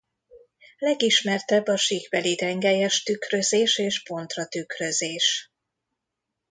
Legismertebb a síkbeli tengelyes tükrözés és pontra tükrözés.